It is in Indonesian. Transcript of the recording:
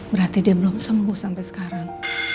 berarti dia belum sembuh sampai sekarang